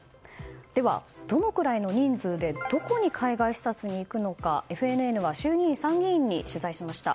では、どのくらいの人数でどこに海外視察に行くのかＦＮＮは衆議院、参議院に取材しました。